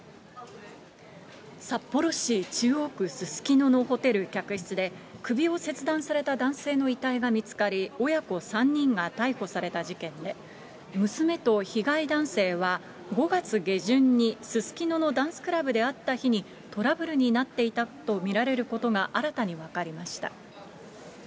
札幌市中央区すすきののホテル客室で、首を切断された男性の遺体が見つかり、親子３人が逮捕された事件で、娘と被害男性は５月下旬にすすきののダンスクラブで会った日にトラブルになっていたと見られることが新たに分かりました。